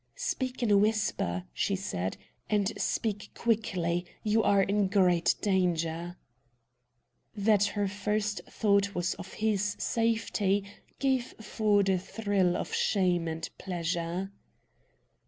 "Speak in a whisper," she said; "and speak quickly. You are in great danger!" That her first thought was of his safety gave Ford a thrill of shame and pleasure.